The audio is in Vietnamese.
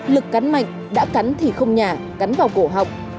lực cắn mạnh đã cắn thì không nhà cắn vào cổ học